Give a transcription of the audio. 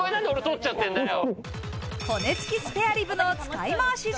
骨付きスペアリブの使いまわし術。